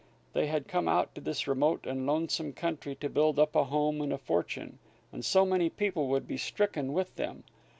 They had come out to this remote and lonesome country to build up a home and a fortune; and so many people would be stricken with them!